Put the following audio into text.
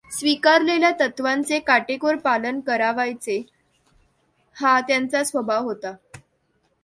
स्वीकारलेल्या तत्त्वांचे काटेकोर पालन करावयाचे, हा त्यांचा स्वभाव होता.